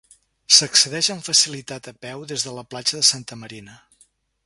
S'accedeix amb facilitat a peu des de la platja de Santa Marina.